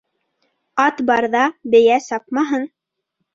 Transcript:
Ат барҙа бейә сапмаһын